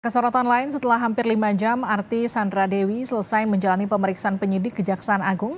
kesorotan lain setelah hampir lima jam artis sandra dewi selesai menjalani pemeriksaan penyidik kejaksaan agung